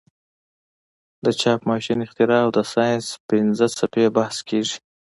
د چاپ ماشین اختراع او د ساینس پنځه څپې بحث کیږي.